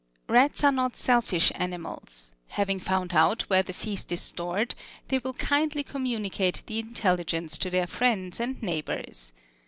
Rats are not selfish animals: having found out where the feast is stored, they will kindly communicate the intelligence to their friends and neighbors.